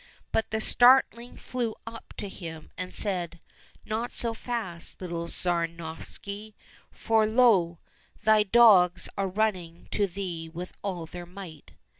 But the starling flew up to him and said, " Not so fast, little Tsar Novishny, for lo ! thy dogs are running to thee with all their might."